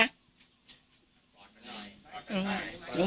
ลูกไม่เจ็บ